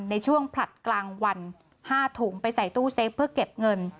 ในช่วงผลัดกลางวัน๕ถุงไปใส่ตู้เซฟเพื่อเก็บเงิน